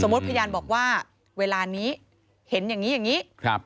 พยานบอกว่าเวลานี้เห็นอย่างนี้อย่างนี้